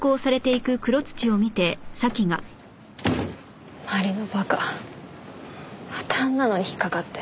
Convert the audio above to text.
麻里の馬鹿またあんなのに引っかかって。